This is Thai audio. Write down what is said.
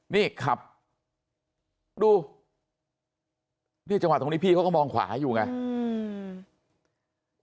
นี่ขับดูเนี่ยจังหวะตรงนี้พี่เขาก็มองขวาอยู่ไงอืม